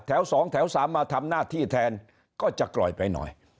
๒แถว๓มาทำหน้าที่แทนก็จะปล่อยไปหน่อย